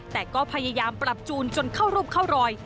แต่ก็พยายามปรับจูนจนเข้ารูปเข้ารอย